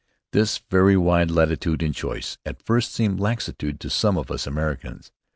This very wide latitude in choice at first seemed "laxitude" to some of us Americans.